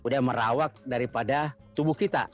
udah merawat daripada tubuh kita